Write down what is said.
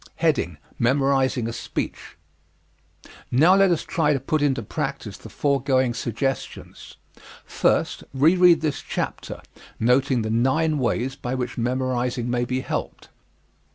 Memorizing a Speech Now let us try to put into practise the foregoing suggestions. First, reread this chapter, noting the nine ways by which memorizing may be helped.